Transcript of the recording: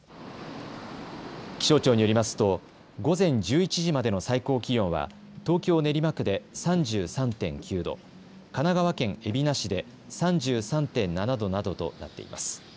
気象庁によりますと午前１１時までの最高気温は東京練馬区で３３．９度、神奈川県海老名市で３３．７度などとなっています。